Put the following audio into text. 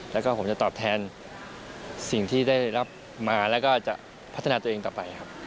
แล้วก็ผมจะตอบแทนสิ่งที่ได้รับมาแล้วก็จะพัฒนาตัวเองต่อไปครับ